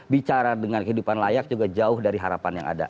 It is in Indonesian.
bicara dengan kehidupan layak juga jauh dari harapan yang ada